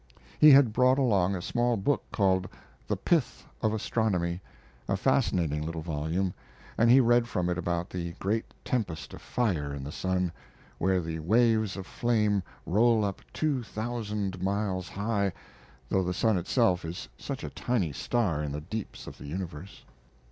He had brought along a small book called The Pith of Astronomy a fascinating little volume and he read from it about the great tempest of fire in the sun, where the waves of flame roll up two thousand miles high, though the sun itself is such a tiny star in the deeps of the universe.